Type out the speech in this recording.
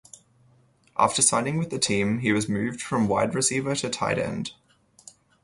After signing with the team he was moved from wide receiver to tight end.